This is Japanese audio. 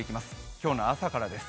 今日の朝からです。